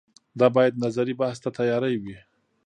دا باید نظري بحث ته تیارې وي